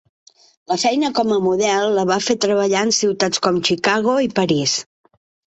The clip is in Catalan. La feina com a model la va fer treballar en ciutats com Chicago i París.